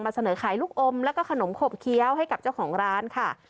เสนอขายลูกอมแล้วก็ขนมขบเคี้ยวให้กับเจ้าของร้านค่ะ